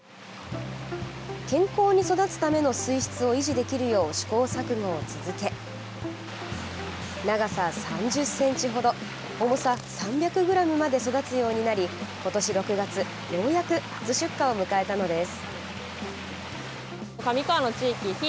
健康に育つための水質を維持できるよう、試行錯誤を続け長さ３０ｃｍ程重さ３００ｇまで育つようになり今年６月、ようやく初出荷を迎えたのです。